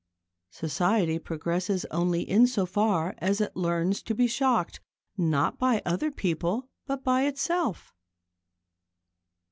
Society progresses only in so far as it learns to be shocked, not by other people, but by itself.